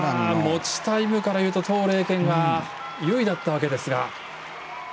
持ちタイムからいうととう麗娟が優位だったわけですが。